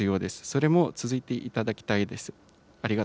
それも続いていただきたいです。